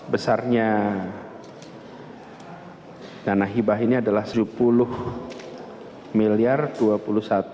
besarnya dana hibah ini adalah rp sepuluh miliar rp dua puluh satu